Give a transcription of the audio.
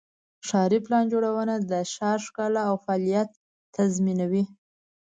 ښاري پلان جوړونه د ښار ښکلا او فعالیت تضمینوي.